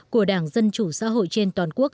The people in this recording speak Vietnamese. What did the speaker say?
của đảng dân chủ xã hội trên toàn quốc